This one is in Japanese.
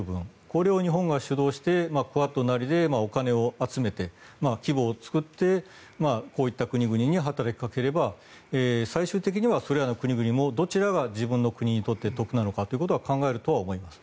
これを日本が主導してクアッドなりでお金を集めて規模を作ってこういった国々に働きかければ最終的にはそれらの国々もどちらが自分の国にとって得なのかということは考えると思います。